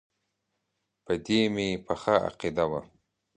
په دې مې پخه عقیده وه.